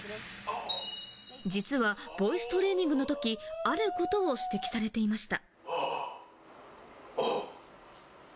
実はボイストレーニングの時、あることを指摘されていました。